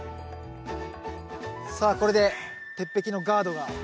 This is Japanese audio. さあこれで鉄壁のガードが。